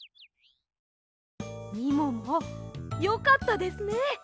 みももよかったですね！